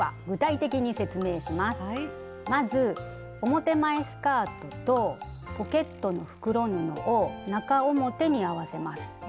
まず表前スカートとポケットの袋布を中表に合わせます。